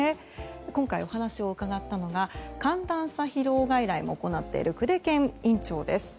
今回、お話を伺ったのが寒暖差疲労外来も行っている久手堅院長です。